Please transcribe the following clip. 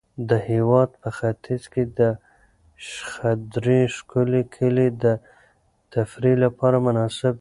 د هېواد په ختیځ کې د شخدرې ښکلي کلي د تفریح لپاره مناسب دي.